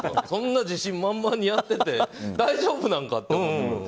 そんな自信満々にやってて大丈夫なんかって。